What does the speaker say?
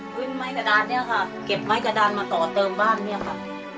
ไม้กระดานเนี่ยค่ะเก็บไม้กระดานมาต่อเติมบ้านเนี่ยค่ะ